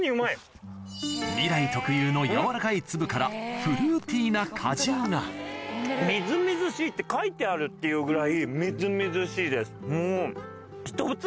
味来特有の柔らかい粒からフルーティーな果汁がみずみずしいって書いてあるっていうぐらい。